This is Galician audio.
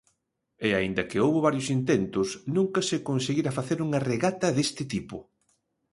E aínda que houbo varios intentos, nunca se conseguira facer unha regata deste tipo.